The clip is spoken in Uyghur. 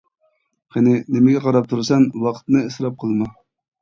قېنى، نېمىگە قاراپ تۇرىسەن، ۋاقىتنى ئىسراپ قىلما!